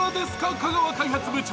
香川開発部長。